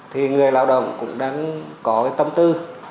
thì người lao động cũng đang có cái tâm tư